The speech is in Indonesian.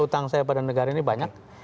utang saya pada negara ini banyak